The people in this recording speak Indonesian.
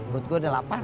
buat gue udah lapar